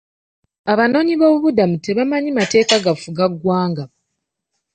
Abanoonyi boobubudamu tebamanyi mateeka gafuga ggwanga.